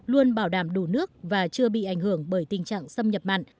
luôn bảo đảm đủ nước và chưa bị ảnh hưởng bởi tình trạng xâm nhập mặn